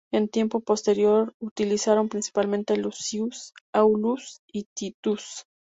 En tiempo posterior utilizaron principalmente "Lucius", "Aulus", y "Titus".